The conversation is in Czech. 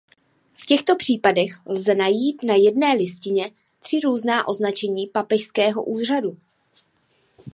V těchto případech lze najít na jedné listině tři různá označení papežského úřadu.